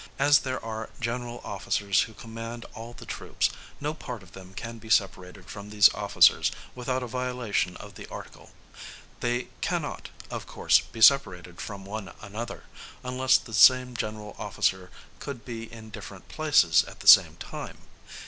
As there are general officers who command all the troops, no part of them can be separated from these officers without a violation of the article: they cannot, of course, be separated from one another, unless the same general officer could be in different places at the same time.